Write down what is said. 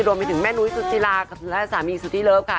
รวมไปถึงแม่นุ้ยสุจิลาและสามีสุธิเลิฟค่ะ